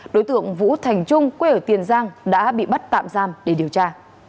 đối tượng vũ thành trung quê ở tiền giang đã bị bắt tạm giam để điều tra